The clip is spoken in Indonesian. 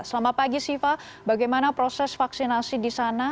selamat pagi siva bagaimana proses vaksinasi di sana